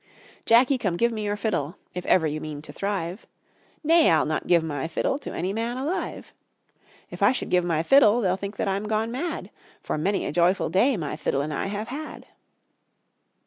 "Jacky, come give me your fiddle, If ever you mean to thrive." "Nay, I'll not give my fiddle To any man alive. "If I should give my fiddle They'll think that I'm gone mad, For many a joyful day My fiddle and I have had."